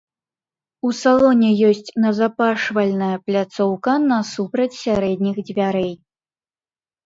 У салоне ёсць назапашвальная пляцоўка насупраць сярэдніх дзвярэй.